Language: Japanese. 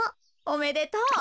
おめでとう。